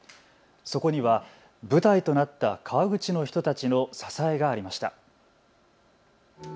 そこには舞台となった川口の人たちの支えがありました。